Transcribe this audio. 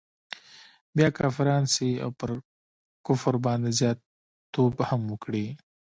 بیا کافران سي او پر کفر باندي زیات توب هم وکړي.